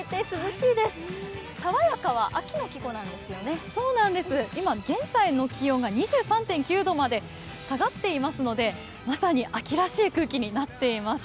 そうなんです、今現在の気温が２３．９度まで下がっていますのでまさに秋らしい空気になっています。